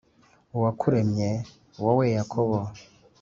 uwakuremye wowe Yakobo,